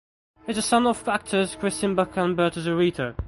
He is the son of actors Christian Bach and Humberto Zurita.